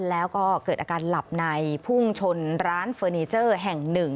แล้วก็เกิดอาการหลับในพุ่งชนร้านเฟอร์นิเจอร์แห่งหนึ่ง